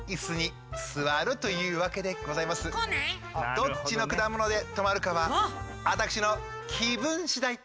どっちのくだもので止まるかはあたくしのきぶんしだい。